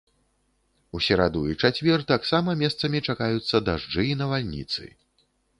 У сераду і чацвер таксама месцамі чакаюцца дажджы і навальніцы.